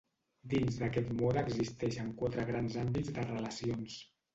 Dins aquest mode existeixen quatre grans àmbits de relacions.